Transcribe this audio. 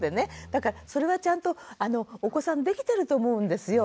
だからそれはちゃんとお子さんできてると思うんですよ。